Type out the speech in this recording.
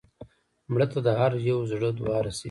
مړه ته د هر یو زړه دعا رسېږي